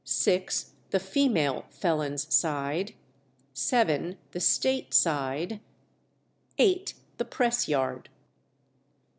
vi. The female felons' side. vii. The state side. viii. The press yard.